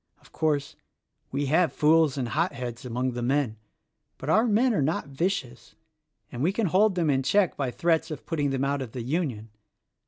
Of course, we have fools and hotheads among the men; but our men are not vicious and we can hold them in check by threats of putting them out of the Union.